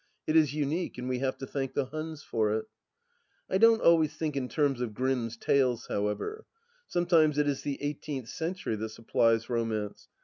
It is unique, and we have to thank the Hims for it. I don't always think in terms of Grimm's tales, however; sometimes it is the eighteenth century that supplies romance.